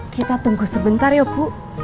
kita tunggu sebentar ya bu